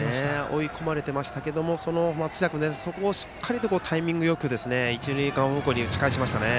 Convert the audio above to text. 追い込まれていましたが松下君、そこをしっかりとタイミングよく一、二塁間方向に打ち返しましたね。